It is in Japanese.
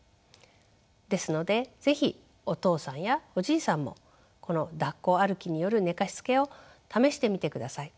ですので是非お父さんやおじいさんもこのだっこ歩きによる寝かしつけを試してみてください。